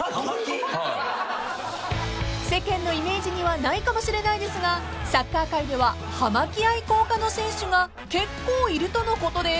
［世間のイメージにはないかもしれないですがサッカー界では葉巻愛好家の選手が結構いるとのことです］